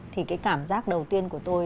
thì cái cảm giác đầu tiên của tôi